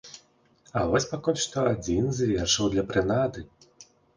А вось пакуль што адзін з вершаў для прынады.